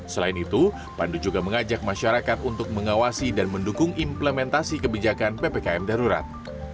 selain itu pandu juga mengajak masyarakat untuk mengawasi dan mendukung implementasi kebijakan ppkm darurat